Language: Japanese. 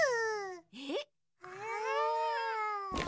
えっ！？